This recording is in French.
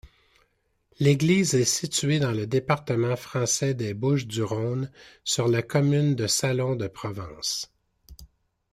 L'église est située dans le département français des Bouches-du-Rhône, sur la commune de Salon-de-Provence.